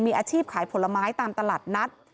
มีอาชีพขายผลไม้ตามตลาดนัด